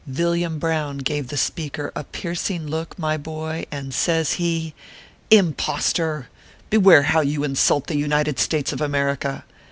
Villiam Brown gave the speaker a piercing look, my boy, and says he :" Impostor ! beware how you insult the United States of America.